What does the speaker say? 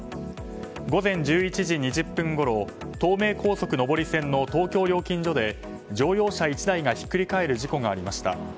午前１１時２０分ごろ東名高速上り線の東京料金所で乗用車１台がひっくり返る事故がありました。